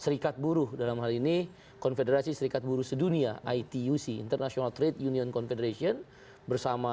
serikat buruh dalam hal ini konfederasi serikat buruh sedunia ituc international trade union confederation bersama